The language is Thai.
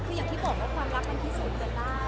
คืออย่างที่บอกว่าความรักมันพิสูจน์กันได้